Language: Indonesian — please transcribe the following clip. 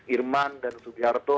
irman dan sugyarto